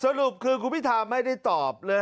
สรุปคือคุณพิธาไม่ได้ตอบเลย